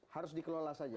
harus dikelola saja